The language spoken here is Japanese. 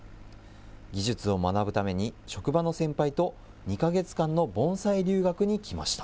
技術を学ぶために職場の先輩と２か月間の盆栽留学に来ました。